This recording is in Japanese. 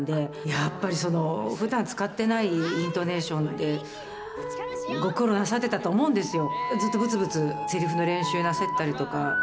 やっぱりふだん使ってないイントネーションでご苦労なさってたと思うんですよ。